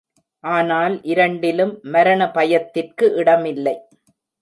ஆனால், இரண்டிலும் மரண பயத்திற்கு இடமில்லை.